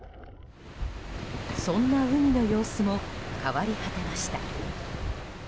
そんな海の様子も変わり果てました。